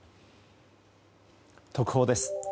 特報です。